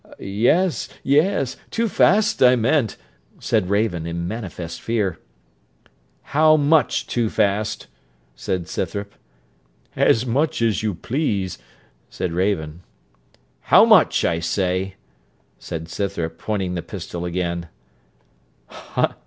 'Yes yes too fast, I meant,' said Raven, in manifest fear. 'How much too fast?' said Scythrop. 'As much as you please,' said Raven. 'How much, I say?' said Scythrop, pointing the pistol again.